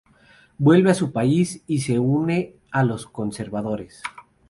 Vuelve a su país y se une a los conservadores.